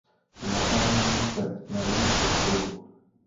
Nachází se na jih od Soulu.